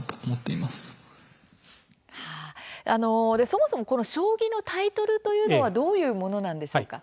そもそもこの将棋のタイトルというのはどういうものなのでしょうか。